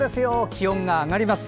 気温が上がります